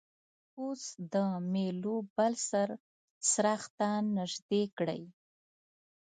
اوس د میلو بل سر څراغ ته نژدې کړئ.